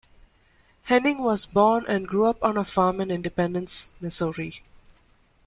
Henning was born and grew up on a farm in Independence, Missouri.